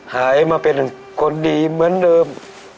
หายมาเป็นคนดีเหมือนเดิม